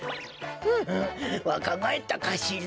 ふむわかがえったかしら？